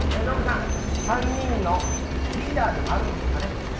ノブさん３人のリーダーでもあるんですかね。